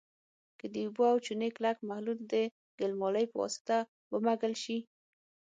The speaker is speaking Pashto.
که د اوبو او چونې کلک محلول د ګلمالې په واسطه ومږل شي.